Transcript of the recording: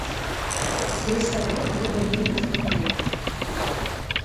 Пры сабе трэба мець дакументы.